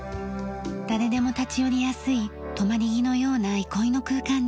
誰でも立ち寄りやすい止まり木のような憩いの空間です。